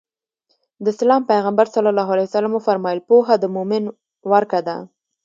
د اسلام پيغمبر ص وفرمايل پوهه د مؤمن ورکه ده.